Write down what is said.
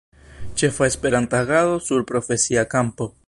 Ĉefa Esperanta agado sur profesia kampo.